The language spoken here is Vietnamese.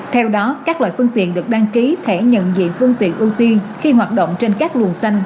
theo đó các loại phương tiện được đăng ký thẻ nhận diện phương tiện ưu tiên khi hoạt động trên các luồng xanh